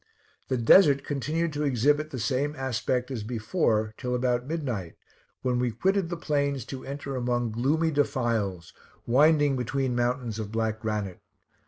The desert continued to exhibit the same aspect as before till about midnight, when we quitted the plains to enter among gloomy defiles, winding between mountains of black granite.